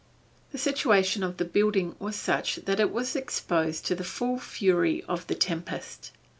The situation of the building was such that it was exposed to the full fury of the tempest.